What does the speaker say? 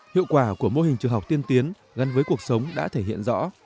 hiệu quả của mô hình trường học tiên tiến gắn với cuộc sống đã thể hiện rõ